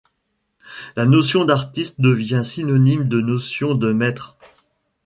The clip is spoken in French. La notion d’artiste devient synonyme de notion de maître.